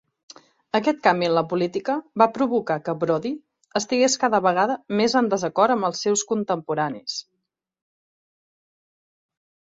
Aquest canvi en la política va provocar que Brodie estigués cada vegada més en desacord amb els seus contemporanis.